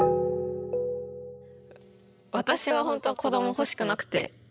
私はほんとは子ども欲しくなくて。